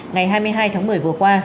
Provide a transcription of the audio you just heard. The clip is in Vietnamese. ngày hai mươi hai tháng một mươi vừa qua